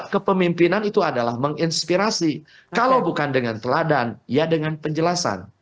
kepemimpinan itu adalah menginspirasi kalau bukan dengan teladan ya dengan penjelasan